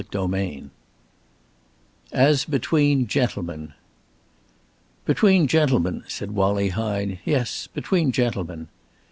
CHAPTER XVI AS BETWEEN GENTLEMEN "Between gentlemen," said Wallie Hine. "Yes, between gentlemen."